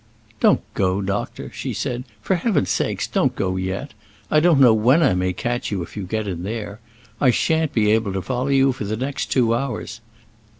"Don't go, doctor," she said; "for heaven's sake, don't go yet. I don't know when I may catch you if you get in there. I shan't be able to follow you for the next two hours.